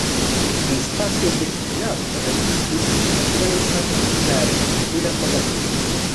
Espacio destinado para el disfrute de la naturaleza y la arquitectura moderna.